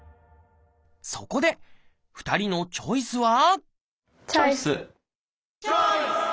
そこで２人のチョイスはチョイス！